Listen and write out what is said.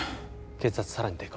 血圧さらに低下